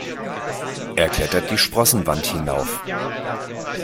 Er klettert die Sprossenwand hinauf.